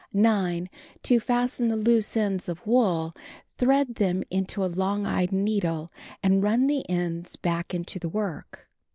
9. To fasten the loose ends of wool, thread them into a long eyed needle and run the ends back into the work.